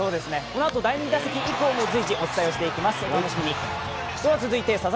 このあと第２打席以降も随時お伝えしていきます。